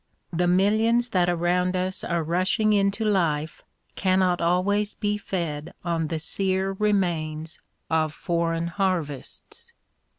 The millions that around us are rushing into life cannot always be fed on the sere remains of foreign harvests.